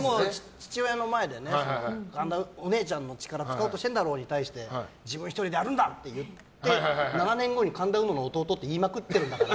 父親の前で、お姉ちゃんの力使おうとしてるんだろに対して自分１人でやるんだ！って言って７年後に神田うのの弟って言いまくって。